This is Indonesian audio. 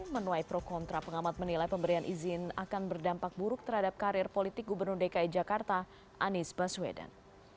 menuai pro kontra pengamat menilai pemberian izin akan berdampak buruk terhadap karir politik gubernur dki jakarta anies baswedan